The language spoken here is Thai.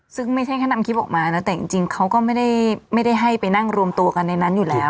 ซึ่งไม่ใช่แค่นำคลิปออกมานะแต่จริงเขาก็ไม่ได้ให้ไปนั่งรวมตัวกันในนั้นอยู่แล้ว